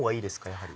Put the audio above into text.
やはり。